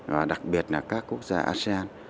và đặc biệt là các quốc gia asean